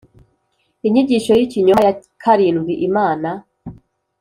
Inyigisho y ikinyoma ya karindwi Imana